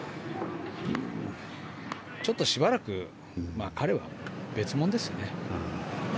ちょっとしばらく彼は別物ですよね。